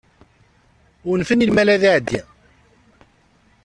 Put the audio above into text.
Unfen i lmal ad iεeddi.